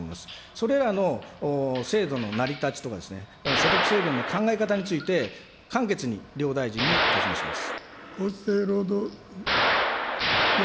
それらの制度の成り立ちとか、所得制限の考え方について、簡潔に両大臣にお尋ねします。